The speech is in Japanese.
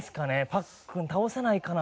パックン倒せないかな。